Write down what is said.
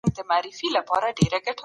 ماشوم مشاهده کوي او تعليم زياتېږي.